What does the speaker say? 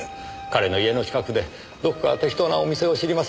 彼の家の近くでどこか適当なお店を知りませんか？